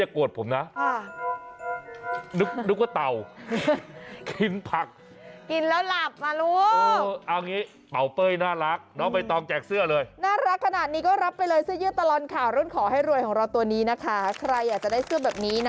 กำลังป้อนอาหารให้กับลูกสาววัย๑๑เดือน